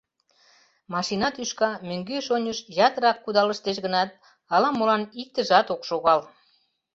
Машина тӱшка мӧҥгеш-оньыш ятырак кудалыштеш гынат, ала-молан иктыжат ок шогал.